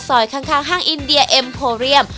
ข้างห้างอินเดียเอ็มโพเรียม